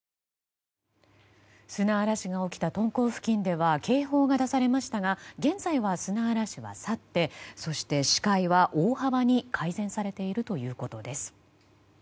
砂嵐が起きた敦煌付近では警報が出されましたが現在は、砂嵐は去ってそして、視界は大幅に改善されているということです。